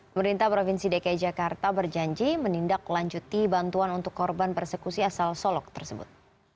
pemerintah provinsi dki jakarta berjanji menindaklanjuti bantuan untuk korban persekusi asal solok tersebut